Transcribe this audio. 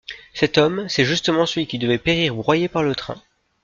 Cet homme c’est justement celui qui devait périr broyé par le train.